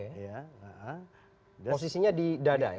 posisinya di dada ya